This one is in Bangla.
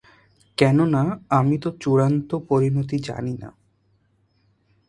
কেননা আমি তো চূড়ান্ত পরিণতি জানি না।